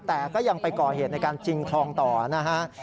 แต่ก็ยังไปก่อเหตุในการชิงทองต่อนะฮะ